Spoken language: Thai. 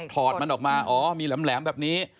อดมันออกมาอ๋อมีแหลมแบบนี้